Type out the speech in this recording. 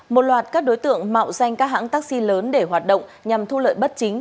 một loạt các đối tượng mạo danh các hãng taxi lớn để hoạt động nhằm thu lợi bất chính